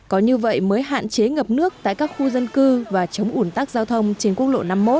có như vậy mới hạn chế ngập nước tại các khu dân cư và chống ủn tắc giao thông trên quốc lộ năm mươi một